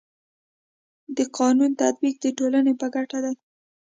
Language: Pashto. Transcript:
د قانونو تطبیق د ټولني په ګټه دی.